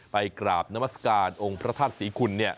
ไปกราบนมัสกาลองค์พระทัศน์สิงคุณ